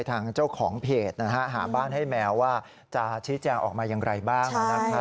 ทางเจ้าของเพจหาบ้านให้แมวว่าจะชี้แจงออกมาอย่างไรบ้างนะครับ